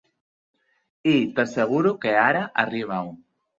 I t'asseguro que ara arriba un.